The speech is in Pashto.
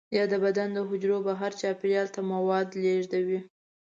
یا د بدن د حجرو بهر چاپیریال ته مواد لیږدوي.